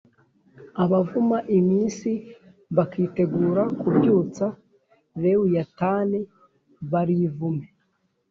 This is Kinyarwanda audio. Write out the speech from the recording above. abavuma iminsi, bakitegura kubyutsa lewiyatani, barivume